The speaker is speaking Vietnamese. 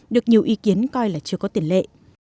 được nhiều ý kiến coi là chưa có tiền lệ